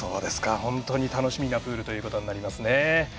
本当に楽しみなプールとなりますね。